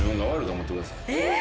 えっ！？